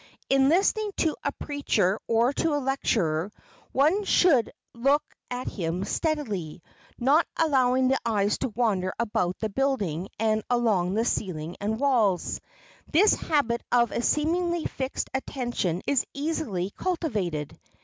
In listening to a preacher or to a lecturer, one should look at him steadily,—not allowing the eyes to wander about the building and along the ceiling and walls. This habit of a seemingly fixed attention is easily cultivated.